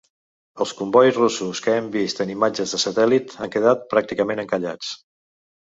Els combois russos que hem vist en imatges de satèl·lit han quedat pràcticament encallats.